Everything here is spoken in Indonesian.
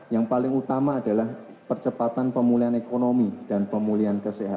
yang paling utama adalah percepatan pemulihan ekonomi dan pemulihan kesehatan